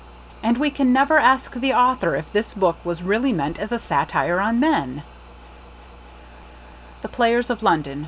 And we can never ask the author if this book was really meant as a satire on men ! "The Players of London."